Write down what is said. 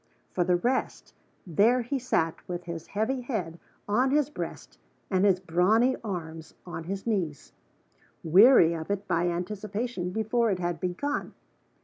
For the rest, there he sat with his heavy head on his breast and his brawny arms on his knees weary of it by anticipation before it had begun.